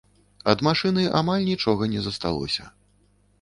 Ад машыны амаль нічога не засталося.